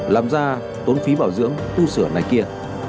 làm ra tốn phí bảo dưỡng tu sửa này kia